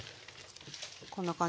こんな感じで。